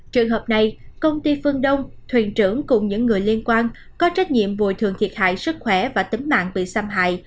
trường hợp này công ty phương đông thuyền trưởng cùng những người liên quan có trách nhiệm bồi thường thiệt hại sức khỏe và tính mạng bị xâm hại